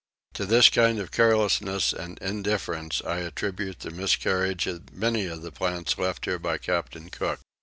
To this kind of carelessness and indifference I attribute the miscarriage of many of the plants left here by Captain Cook.